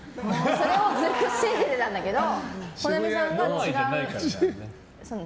それをずっと信じてたんだけど本並さんが違うって。